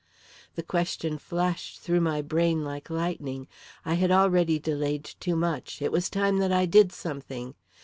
The question flashed through my brain like lightning. I had already delayed too much; it was time that I did something!